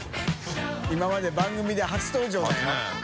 今まで番組で初登場だよな。ねぇ。